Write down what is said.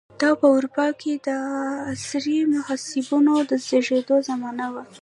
دا په اروپا کې د عصري محبسونو د زېږېدو زمانه وه.